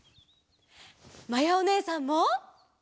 まやおねえさんも。